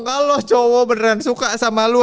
kalo cowok beneran suka sama lu